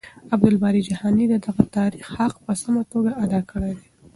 عبدالباري جهاني د دغه تاريخ حق په سمه توګه ادا کړی دی.